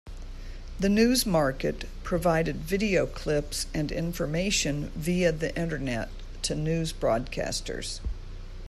The NewsMarket provided video clips and information via the Internet to news broadcasters.